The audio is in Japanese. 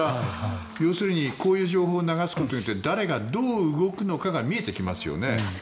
要するにこういう情報を流すことによって誰がどう動くのかが見えてきますよね。